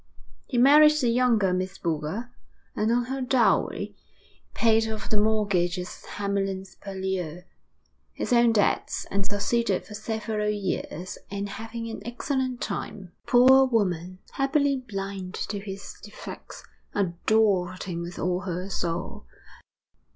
He married the younger Miss Boulger, and on her dowry paid off the mortgages on Hamlyn's Purlieu, his own debts, and succeeded for several years in having an excellent time. The poor woman, happily blind to his defects, adored him with all her soul.